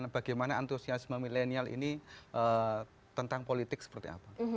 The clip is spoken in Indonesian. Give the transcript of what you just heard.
bagaimana antusiasme milenial ini tentang politik seperti apa